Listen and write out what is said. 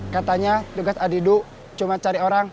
katanya tugas adiduk cuma cari orang